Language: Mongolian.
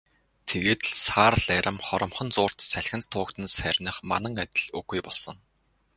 Тэгээд л саарал арми хоромхон зуурт салхинд туугдан сарних манан адил үгүй болсон.